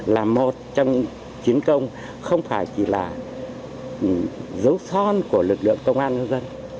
là một trong những chiến công không phải chỉ là dấu son của lực lượng công an nhân dân